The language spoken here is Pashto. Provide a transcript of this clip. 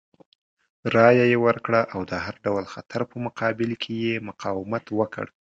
رایه یې ورکړه او د هر ډول خطر په مقابل کې یې مقاومت وکړ.